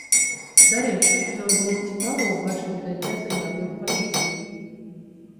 Дарэчы, нам было б цікава ўбачыць гэтыя заявы ў паліцыю.